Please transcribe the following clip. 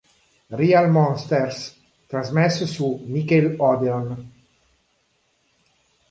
Real Monsters" trasmesso su Nickelodeon.